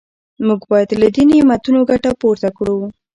موږ باید له دې نعمتونو ګټه پورته کړو.